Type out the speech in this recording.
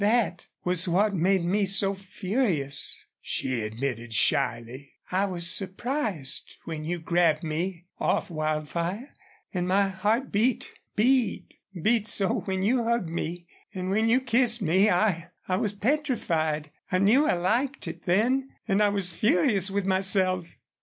"That was what made me so furious," she admitted, shyly. "I was surprised when you grabbed me off Wildfire. And my heart beat beat beat so when you hugged me. And when you kissed me I I was petrified. I knew I liked it then and I was furious with myself."